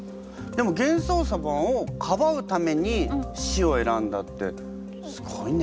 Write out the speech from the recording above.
でも玄宗様をかばうために死を選んだってすごいね。